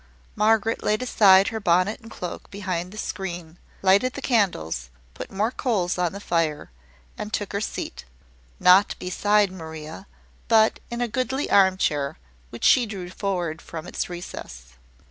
Margaret laid aside her bonnet and cloak behind the screen, lighted the candles, put more coals on the fire, and took her seat not beside Maria, but in a goodly armchair, which she drew forward from its recess.